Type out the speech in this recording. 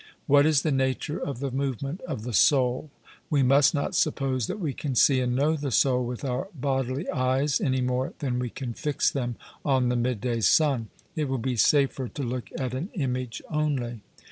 What is the nature of the movement of the soul? We must not suppose that we can see and know the soul with our bodily eyes, any more than we can fix them on the midday sun; it will be safer to look at an image only.